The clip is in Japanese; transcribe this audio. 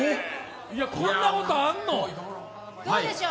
こんなことあんの？